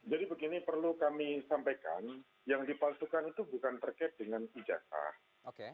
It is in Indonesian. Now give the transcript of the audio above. jadi begini perlu kami sampaikan yang dipalsukan itu bukan terkait dengan ijazah